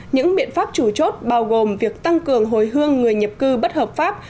những biện pháp chủ chốt bao gồm việc tăng cường hồi hương người nhập cư bất hợp pháp